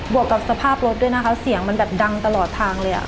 วกกับสภาพรถด้วยนะคะเสียงมันแบบดังตลอดทางเลยอ่ะ